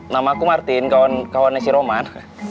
namaku martin kawan kawannya si roman